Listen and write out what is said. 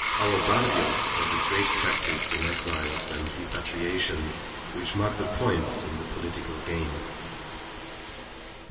Our Barrios has a great practice in exiles and repatriations, which mark the points in the political game."